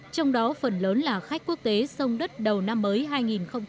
trong đó phần lớn là khách quốc tế sông đất đầu năm mới hai nghìn một mươi tám